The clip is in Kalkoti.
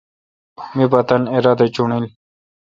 می پ تانی ارادا چݨیل۔